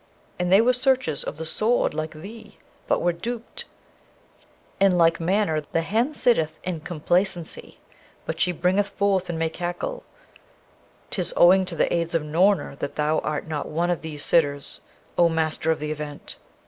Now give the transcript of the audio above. And they were searchers of the Sword like thee, but were duped! In like manner, the hen sitteth in complacency, but she bringeth forth and may cackle; 'tis owing to the aids of Noorna that thou art not one of these sitters, O Master of the Event!'